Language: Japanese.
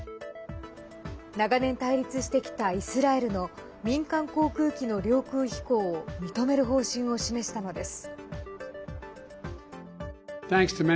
長年、対立してきたイスラエルの民間航空機の領空飛行を認める方針を示したのです。